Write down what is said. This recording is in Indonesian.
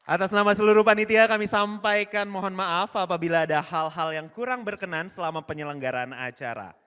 atas nama seluruh panitia kami sampaikan mohon maaf apabila ada hal hal yang kurang berkenan selama penyelenggaraan acara